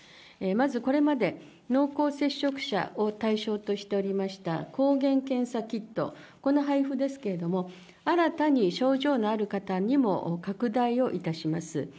まずこれまで、濃厚接触者を対象としておりました抗原検査キット、この配布ですけれども、新たに症状のある方にも拡大をいたします。